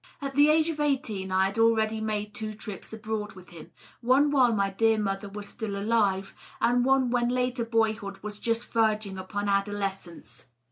At the age of eighteen I had already made two trips abroad with him — one while my dear mother was still alive, and one when later boyhood was just verging upon adolescence.